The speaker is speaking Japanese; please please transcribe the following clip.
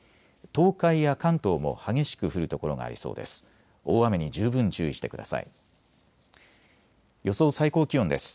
東海や関東も激しく降る所がありそうです。